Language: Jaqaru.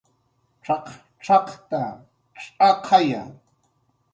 "cx""aqcx""aqta, cx'aqaya"